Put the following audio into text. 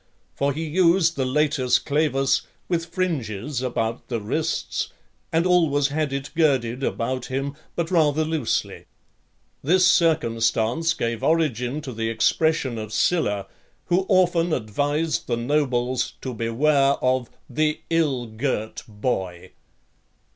For he used the Latus Clavus with fringes about the wrists, and always had it girded about him, but rather loosely. This circumstance gave origin to the expression of Sylla, who often advised the nobles to beware of "the ill girt boy."